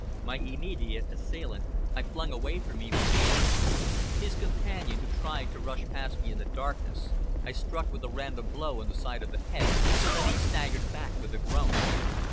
My immediate assailant I flung away from me with ease; his companion, who tried to rush past me in the darkness, I struck with a random blow on the side of the head, so that he staggered back with a groan.